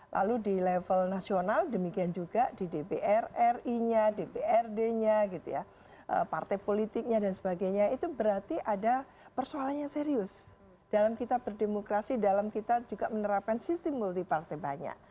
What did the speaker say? lalu di level nasional demikian juga di dpr ri dprd partai politik dan sebagainya itu berarti ada persoalan yang serius dalam kita berdemokrasi dalam kita juga menerapkan sistem multipartai banyak